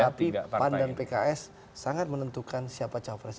tapi pan dan pks sangat menentukan siapa cawapresnya